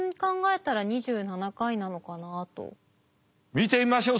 見てみましょう。